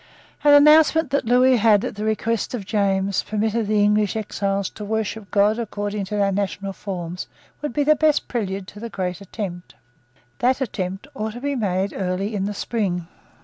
An announcement that Lewis had, at the request of James, permitted the English exiles to worship God according to their national forms would be the best prelude to the great attempt. That attempt ought to be made early in the spring.